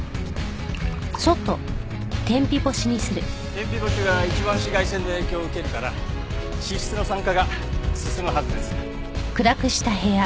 天日干しが一番紫外線の影響を受けるから脂質の酸化が進むはずです。